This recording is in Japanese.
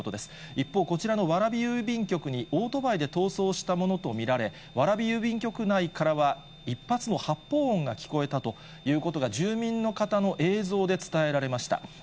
一方、こちらの蕨郵便局にオートバイで逃走したものと見られ、蕨郵便局内からは１発の発砲音が聞こえたということが住民の方の映像で伝えられました。